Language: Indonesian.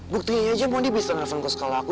buktinya aja mon dia bisa ngerfanko sekolah aku